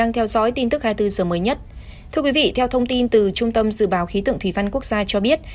thưa quý vị theo thông tin từ trung tâm dự báo khí tượng thủy văn quốc gia cho biết